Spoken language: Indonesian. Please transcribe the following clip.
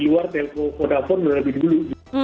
di luar telco kodafone lebih dulu